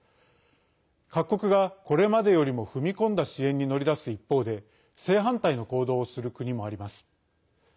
各国がこれまでよりも踏み込んだ支援に乗り出す一方で正反対の行動をする国もあります。